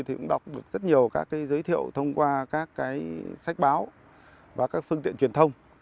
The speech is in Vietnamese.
thì cũng đọc được rất nhiều các giới thiệu thông qua các cái sách báo và các phương tiện truyền thông